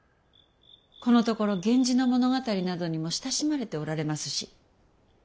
このところ源氏の物語などにも親しまれておられますし。